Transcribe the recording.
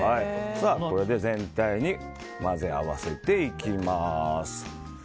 これで全体に混ぜ合わせていきます。